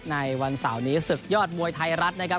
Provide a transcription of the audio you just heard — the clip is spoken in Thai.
ในวันเสาร์นี้ศึกยอดมวยไทยรัฐนะครับ